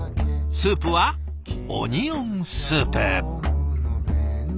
スープはオニオンスープ。